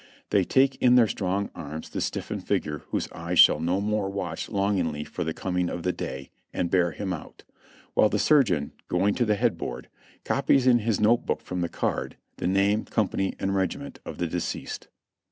They take in their strong arms the stiffened figure whose eyes shall no more watch longingly for the coming of the day, and bear him out, while the surgeon, going to the headboard, copies in his note book from the card the name, company and regiment of the deceased.